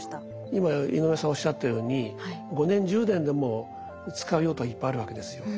今井上さんおっしゃったように５年１０年でも使う用途はいっぱいあるわけですよ。